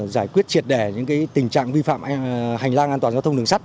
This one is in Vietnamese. giải quyết triệt đẻ những tình trạng vi phạm hành lang an toàn giao thông đường sắt